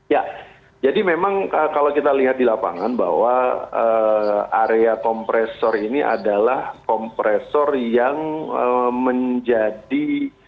ya jadi memang kalau kita lihat di lapangan bahwa area kompresor ini adalah kompresor yang menjadi